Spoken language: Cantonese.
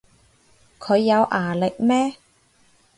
佢有牙力咩